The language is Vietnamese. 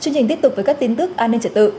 chương trình tiếp tục với các tin tức an ninh trật tự